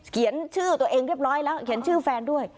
เขียนชื่อตัวเองเรียบร้อยแล้วเขียนชื่อแฟนด้วย